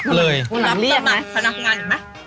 หลังเรียดเลย